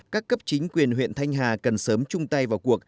các cấp chính quyền huyện thanh hà cần sớm chung tay vào cuộc